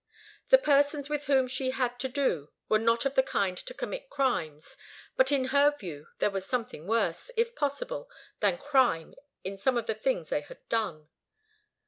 The persons with whom she had to do were not of the kind to commit crimes, but in her view there was something worse, if possible, than crime in some of the things they had done.